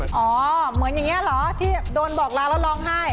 อ๋อเหมือนอย่างนี้เหรอที่โดนบอกลาแล้วร้องไห้